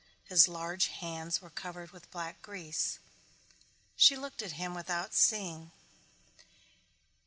His large hands were covered with black grease. She looked at him without seeing.